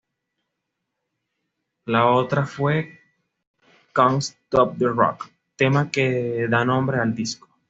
La otra fue "Can't Stop the Rock", tema que da nombre al disco.